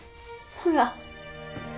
ほら。